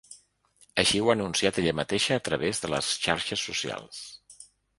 Així ho ha anunciat ella mateixa a través de les xarxes socials.